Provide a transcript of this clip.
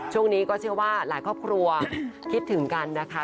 ช่วงนี้ก็เชื่อว่าหลายครอบครัวคิดถึงกันนะคะ